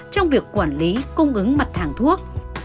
trong việc quản lý cung ứng mặt hàng thuốc